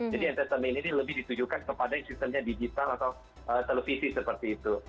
jadi entertainment ini lebih ditujukan kepada sistemnya digital atau televisi seperti itu